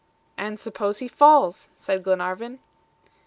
"And suppose he falls?" said Glenarvan.